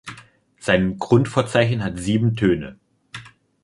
Sein Grund-Vorzeichen hat sieben Töne.